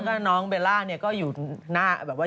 แล้วก็น้องเบลล่าเนี่ยก็อยู่หน้า